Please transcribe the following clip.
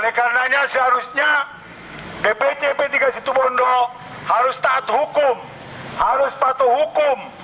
harus taat hukum harus patuh hukum